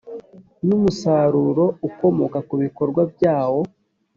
n umusaruro ukomoka ku bikorwa byawo